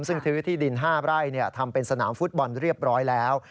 ซึ่งซื้อที่ดิน๕ไร่ทำเป็นสนามฟุตบอลเรียบร้อยแล้ว